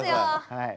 はい！